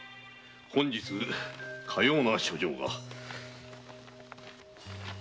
本日かような書状が。